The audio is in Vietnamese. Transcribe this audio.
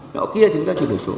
nọ kia chúng ta chuyển đổi số